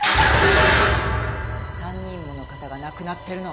３人もの方が亡くなってるの。